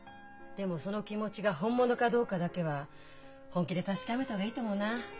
でもその気持ちが本物かどうかだけは本気で確かめた方がいいと思うなあ。